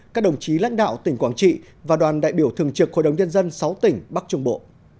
các đồng chí lãnh đạo tỉnh quảng trị và đoàn đại biểu thường trực hội đồng nhân dân sáu tỉnh bắc trung bộ